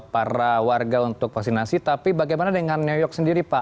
para warga untuk vaksinasi tapi bagaimana dengan new york sendiri pak